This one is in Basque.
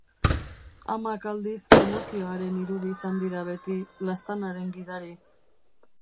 Amak aldiz emozioaren irudi izan dira beti, laztanaren gidari.